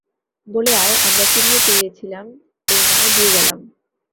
বলে আয়, আমরা কুড়িয়ে পেইছিলাম, এই নাও দিয়ে গেলাম।